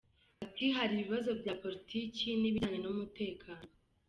Ati “Hari ibibazo bya politiki n’ibijyanye n’umutekano.